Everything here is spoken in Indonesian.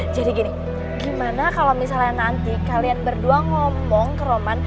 jadi gini gimana kalo misalnya nanti kalian berdua ngomong ke roman